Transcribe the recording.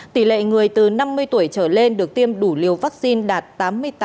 tỷ lệ người từ năm mươi tuổi trở lên được tiêm đủ liều vaccine đạt tám mươi tám